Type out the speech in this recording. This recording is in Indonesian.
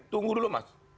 tunggu dulu mas